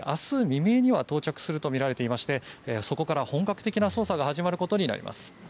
未明には到着するとみられていましてそこから本格的な捜査が始まることになります。